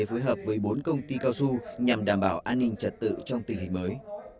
phối hợp với bốn công ty cao su nhằm đảm bảo an ninh trật tự trong tình hình mới